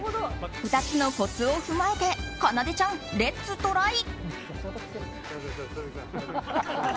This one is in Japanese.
２つのコツを踏まえてかなでちゃん、レッツトライ！